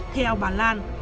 theo bà lan